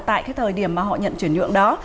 tại cái thời điểm mà họ nhận chuyển nhượng đó